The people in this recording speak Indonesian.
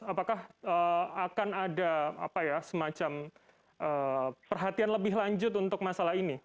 apakah akan ada semacam perhatian lebih lanjut untuk masalah ini